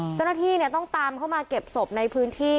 เจ้าหน้าที่ต้องตามเข้ามาเก็บศพในพื้นที่